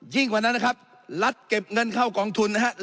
กว่านั้นนะครับรัฐเก็บเงินเข้ากองทุนนะครับ